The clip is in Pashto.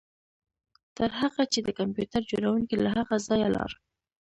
تر هغه چې د کمپیوټر جوړونکی له هغه ځایه لاړ